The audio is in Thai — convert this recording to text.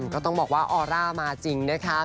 ก็ต้องบอกว่าออร่ามาจริงนะคะ